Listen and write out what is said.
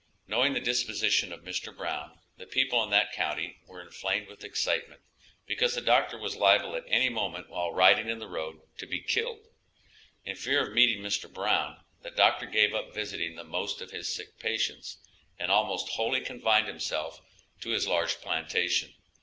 Knowing the disposition of Mr. Brown, the people in that county were inflamed with excitement, because the doctor was liable at any moment while riding in the road to be killed. In fear of meeting Mr. Brown, the doctor gave up visiting the most of his sick patients, and almost wholly confined himself to his large plantation.